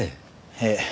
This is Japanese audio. ええ。